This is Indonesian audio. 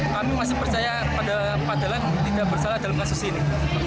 kami masih percaya pada pak dahlan tidak bersalah dalam kasus ini